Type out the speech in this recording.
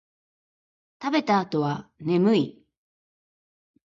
食べた後は眠い